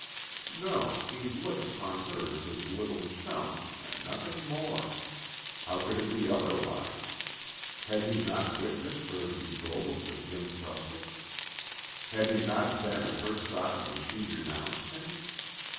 No, he looked upon her as his little "chum" and nothing more. How could it be otherwise? Had he not witnessed her betrothal to Jim Truscott? Had he not been at her side when she renounced him?